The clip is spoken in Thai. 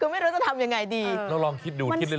คือไม่รู้จะทำยังไงดีเราลองคิดดูคิดเรื่อย